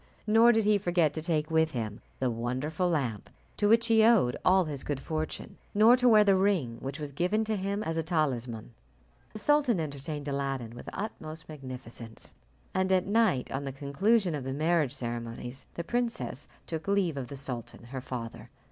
Nor did he forget to take with him the Wonderful Lamp, to which he owed all his good fortune, nor to wear the Ring which was given him as a talisman. The sultan entertained Aladdin with the utmost magnificence, and at night, on the conclusion of the marriage ceremonies, the princess took leave of the sultan her father.